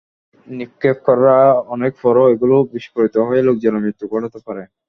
নিক্ষেপ করার অনেক পরেও এগুলো বিস্ফোরিত হয়ে লোকজনের মৃত্যু ঘটাতে পারে।